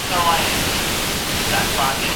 په دغي برخي کي ډېر کار نسته.